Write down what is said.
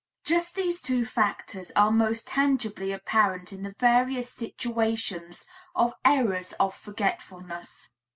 Just these two factors are most tangibly apparent in the various situations of errors of forgetfulness.